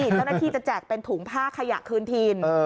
เจ้าหน้าที่จะแจกเป็นถุงผ้าขยะคืนถิ่น